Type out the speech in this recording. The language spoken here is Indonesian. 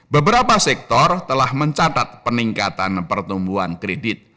beberapa sektor telah mencatat peningkatan pertumbuhan kredit